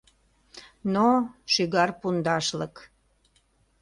Но, шӱгар пундашлык.